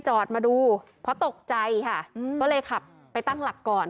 จอดมาดูเพราะตกใจค่ะก็เลยขับไปตั้งหลักก่อน